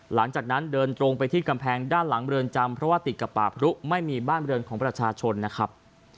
หลังจากนั้นเดินตรงไปที่กำแพงด้านหลังเรือนจำเพราะว่าติดกับป่าพรุไม่มีบ้านบริเวณของประชาชนนะครับ